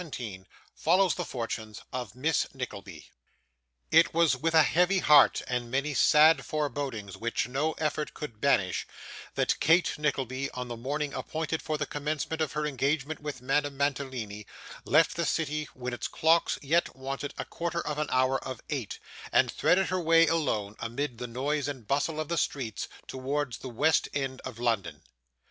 CHAPTER 17 Follows the Fortunes of Miss Nickleby It was with a heavy heart, and many sad forebodings which no effort could banish, that Kate Nickleby, on the morning appointed for the commencement of her engagement with Madame Mantalini, left the city when its clocks yet wanted a quarter of an hour of eight, and threaded her way alone, amid the noise and bustle of the streets, towards the west end of London.